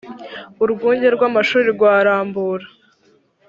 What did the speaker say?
urwunge rw’amashuri rwa rambura